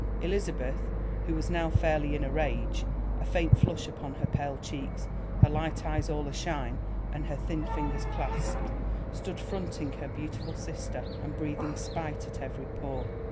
Elizabeth, who was now fairly in a rage, a faint flush upon her pale cheeks, her light eyes all ashine, and her thin fingers clasped, stood fronting her beautiful sister, and breathing spite at every pore.